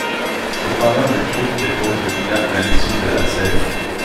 Cependant, le club dépose le bilan à l'issue de la saison.